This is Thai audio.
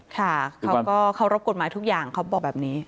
ค่ะเขาก็เคารพกฎหมายทุกอย่างเขาบอกแบบนี้